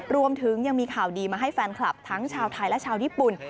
รวมถึงยังมีข่าวดีมาให้แฟนคลับทั้งชาวไทยและชาวญี่ปุ่น